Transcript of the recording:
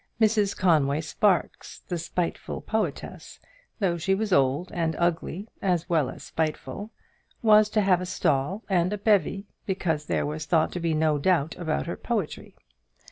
Mrs Conway Sparkes, the spiteful poetess, though she was old and ugly as well as spiteful, was to have a stall and a bevy, because there was thought to be no doubt about her poetry.